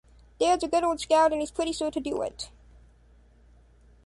Dad's a good old scout and he's pretty sure to do it.